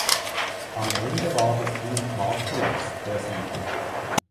Am Ende war das Team Matthias der Sieger.